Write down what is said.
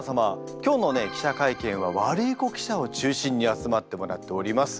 今日のね記者会見はワルイコ記者を中心に集まってもらっております。